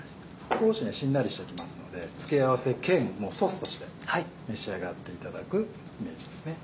少ししんなりしてきますので付け合わせ兼ソースとして召し上がっていただくイメージですね。